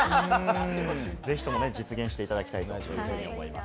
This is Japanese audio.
ぜひともね、実現していただきたいというふうに思います。